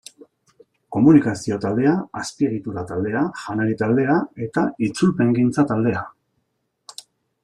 Komunikazio taldea, Azpiegitura taldea, Janari taldea eta Itzulpengintza taldea.